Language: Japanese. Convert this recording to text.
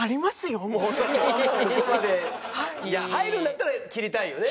入るんだったら切りたいよね。